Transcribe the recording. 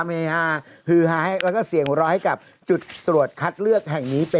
มันสุดเนี่ยมันดีใจสุดนะครับ